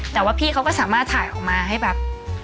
แต่ว่าพี่เขาก็สามารถถ่ายออกมาให้แบบ